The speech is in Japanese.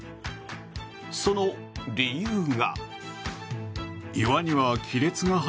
その理由が。